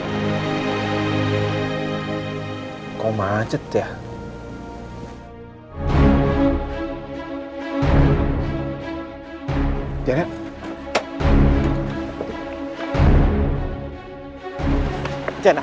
aku sudah menghancurkan banyak harapan orang orang di sekitar aku